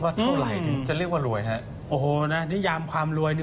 เท่าไหร่ถึงจะเรียกว่ารวยฮะโอ้โหนะนิยามความรวยนี่